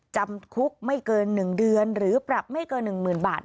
จำคุกไม่เกิน๑เดือนหรือปรับไม่เกิน๑๐๐๐บาท